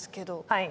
はい。